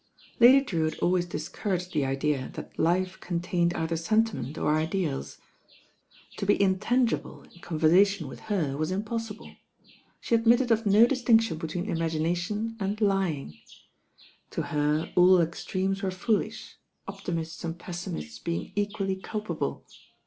Lady Drcwitt always discouraged the idea that life contained either sentiment or ideals. To be in tangible m conversation with her was impossible, bhe admitted of no distinction between imagination and lying To her all extremes were foolish, opti mists and pessimists being equally culpable.